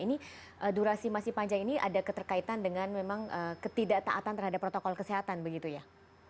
ini durasi masih panjang ini ada keterkaitan dengan memang ketidaktaatan terhadap protokol kesehatan begitu ya